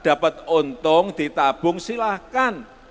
dapat untung ditabung silahkan